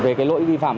về cái lỗi vi phạm